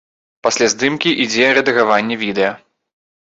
Пасля здымкі ідзе рэдагаванне відэа.